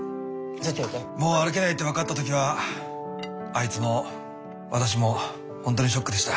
もう歩けないって分かった時はあいつも私もほんとにショックでした。